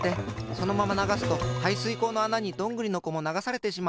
そのままながすとはいすいこうのあなにどんぐりのこもながされてしまう。